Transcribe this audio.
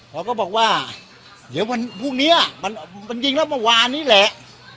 เขาก็บอกว่าเดี๋ยววันพรุ่งนี้มันยิงแล้วเมื่อวานนี้แหละ